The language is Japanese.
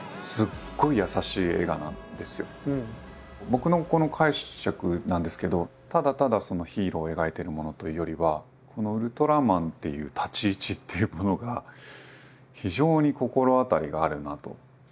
僕のこの解釈なんですけどただただヒーローを描いているものというよりはこのウルトラマンっていう立ち位置っていうものが非常に心当たりがあるなと。